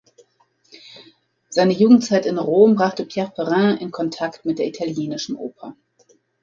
Seine Jugendzeit in Rom brachte Pierre Perrin in Kontakt mit der italienischen Oper.